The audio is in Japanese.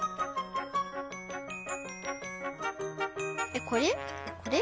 えっこれ？